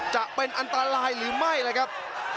จะเป็นอันตรายหรือไม่นะครับ